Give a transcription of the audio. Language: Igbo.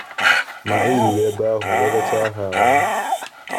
mgbe e ruru ebe ahụ lelechaa ha ahụ